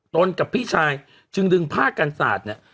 กับพี่ชายจึงดึงผ้ากันสาดเนี่ย